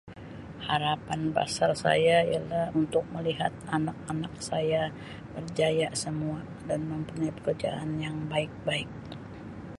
Harapan basar saya ialah untuk melihat anak-anak saya berjaya semua dan mempunyai pekerjaan yang baik-baik.